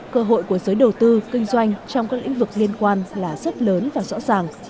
cơ hội của giới đầu tư kinh doanh trong các lĩnh vực liên quan là rất lớn và rõ ràng